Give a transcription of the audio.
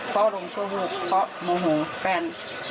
ก็ลงชั่ววูบเพื่อโมโหแฟน